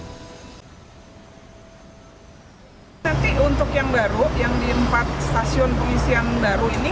nanti untuk yang baru yang di empat stasiun pengisian baru ini